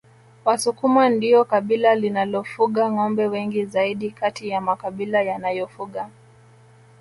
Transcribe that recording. wasukuma ndio kabila linalofuga ngombe wengi zaidi kati ya makabila yanayofuga